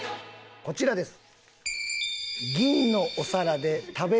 こちらです。